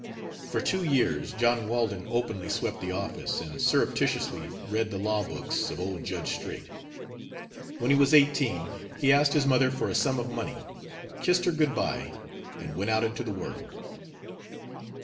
For two years John Walden openly swept the office and surreptitiously read the law books of old Judge Straight. When he was eighteen, he asked his mother for a sum of money, kissed her good by, and went out into the world.